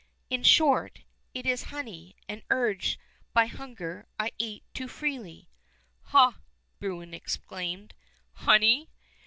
In short, it is honey, and, urged by hunger, I ate too freely." "Ha!" Bruin exclaimed, "honey?